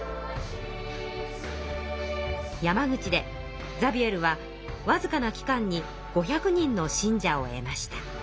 山口でザビエルはわずかな期間に５００人の信者を得ました。